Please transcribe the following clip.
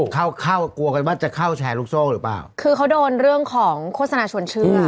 เข้าเข้ากลัวกันว่าจะเข้าแชร์ลูกโซ่หรือเปล่าคือเขาโดนเรื่องของโฆษณาชวนเชื่อ